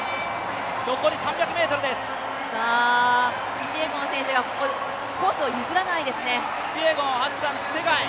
キピエゴン選手がコースを譲らないですね。